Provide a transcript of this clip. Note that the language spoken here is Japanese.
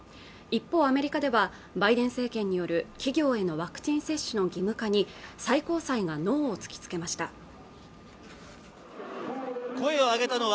一方アメリカではバイデン政権による企業へのワクチン接種の義務化に最高裁がノーを突きつけました